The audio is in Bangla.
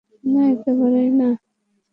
না, একেবারেই না।